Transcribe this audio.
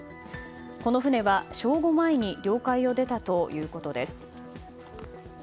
この船は、正午前に領海を出たということです。